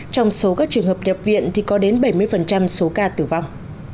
trong số các trường hợp nhập viện thì có đến bảy mươi số ca tử vong